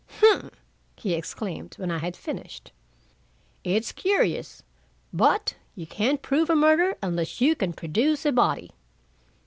"Humph!" he exclaimed, when I had finished. "It's curious, but you can't prove a murder unless you can produce a body."